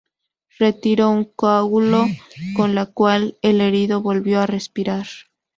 Retiró un coágulo, con lo cual el herido volvió a respirar.